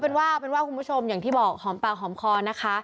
เป็นว่าเป็นว่าคุณผู้ชมอย่างที่บอกหอมปากหอมคอนะคะ